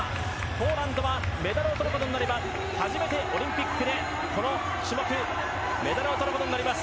ポーランドはメダルをとればオリンピックで初めてこの種目メダルをとることになります。